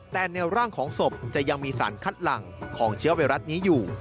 แต่แนวร่างของศพจะยังมีสารคัดหลังของเชื้อไวรัสนี้อยู่